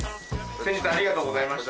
先日ありがとうございました。